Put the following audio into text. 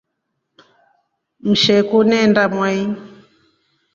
Usheku neenda mwai.